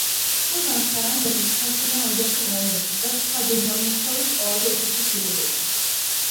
სუზან სარანდონი ცხრაშვილიან ოჯახში გაიზარდა და და-ძმას შორის ყველაზე უფროსი იყო.